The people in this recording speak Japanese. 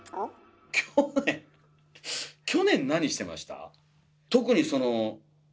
去年⁉去年何してました？